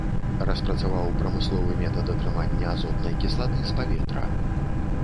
Распрацаваў прамысловы метад атрымання азотнай кіслаты з паветра.